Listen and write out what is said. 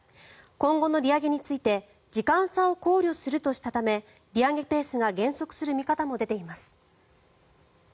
今後の利上げについて時間差を考慮するとしたため利上げペースが減速する見方も出ています。